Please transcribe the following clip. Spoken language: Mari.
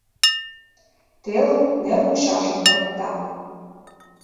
Телым нер мучашым ырыкта.